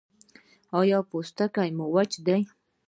ایا پوستکی مو وچ دی؟